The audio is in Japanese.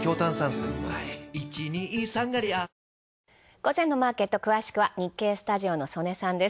午前のマーケット詳しくは日経スタジオの曽根さんです。